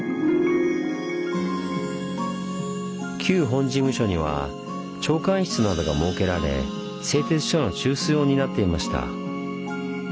旧本事務所には長官室などが設けられ製鐵所の中枢を担っていました。